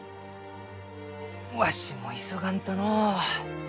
わしも急がんとのう。